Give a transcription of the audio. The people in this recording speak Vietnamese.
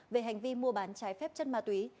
về hành vi mua bán trái phép chất ma túy